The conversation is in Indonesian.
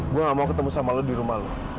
gw gak mau ketemu sama lu di rumah lu